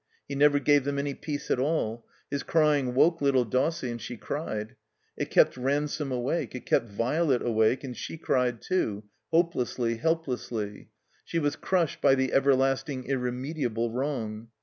He never gave them any peace at all. His aying woke little Dossie, and she cried; it kept Ransome awake; it kept Violet awake, and she cried, too, hopelessly, helplessly; she was crushed by the ever lasting, irremediable wrong.